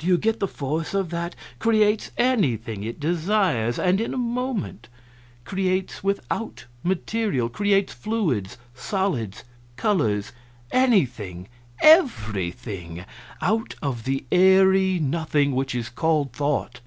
Do you get the force of that? Creates anything it desires and in a moment. Creates without material. Creates fluids, solids, colors anything, everything out of the airy nothing which is called Thought.